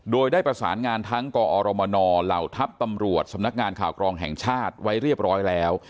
โดยได้ประสานงานทั้งกอรมนเหล่าทัพตำรวจสำนักงานข่าวกรองแห่งชาติไว้เรียบร้อยแล้ว